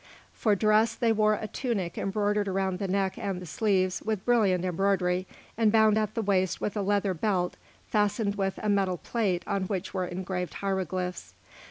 For dress they wore a tunic embroidered around the neck and the sleeves with brilliant embroidery and bound at the waist with a leather belt fastened with a metal plate on which were engraved hieroglyphs.